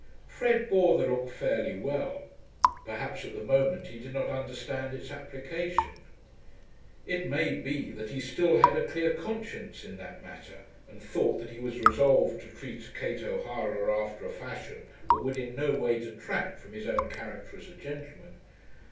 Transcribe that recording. Fred bore the look fairly well. Perhaps at the moment he did not understand its application. It may be that he still had a clear conscience in that matter, and thought that he was resolved to treat Kate O'Hara after a fashion that would in no way detract from his own character as a gentleman.